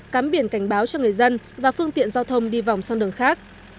cám biển cảnh báo cho người dân và phương tiện giao thông đi vòng sang đường khác